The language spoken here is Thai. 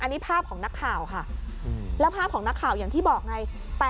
อันนี้ภาพของนักข่าวค่ะแล้วภาพของนักข่าวอย่างที่บอกไง